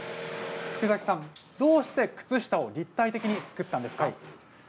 どうして靴下を立体的に作ったんですか？